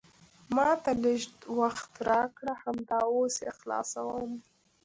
ما ته لیژ وخت راکړه، همدا اوس یې خلاصوم.